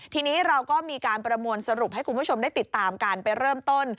ทีนี้เราก็มีการประมวลสรุปให้คุณผู้ชมได้ติดตามกันไปเริ่มต้น